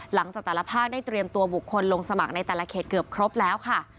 หลังจากแต่ละภาคได้เตรียมตัวบุคคลลงสมัครในแต่ละเขตเกือบครบแล้วค่ะ